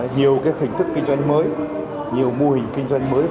nhiều hình thức kinh doanh mới nhiều mô hình kinh doanh mới